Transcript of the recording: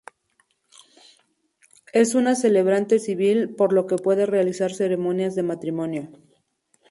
Es una celebrante civil, por lo que puede realizar ceremonias de matrimonio.